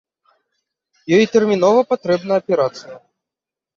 Ёй тэрмінова патрэбна аперацыя!